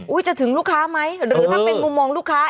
จะถึงลูกค้าไหมหรือถ้าเป็นมุมมองลูกค้า